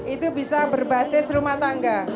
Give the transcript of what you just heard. itu bisa berbasis rumah tangga